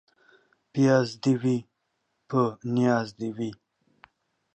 پياز دي وي ، په نياز دي وي.